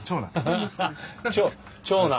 長男。